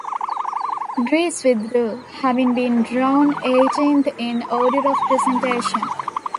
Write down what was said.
Greece withdrew, having been drawn eighteenth in order of presentation.